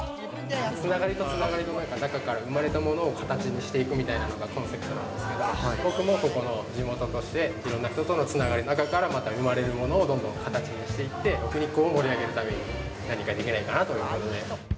人のつながりから生まれた中から生まれたものをというのがコンセプトなんですけれども、僕もここ、地元のいろんな人とのつながりの中から生まれるものをどんどん形にしていって、奥日光を盛り上げるために何かできないかなということで。